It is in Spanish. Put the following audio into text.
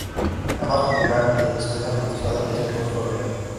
La más popular y extensamente usada es el costo agregado.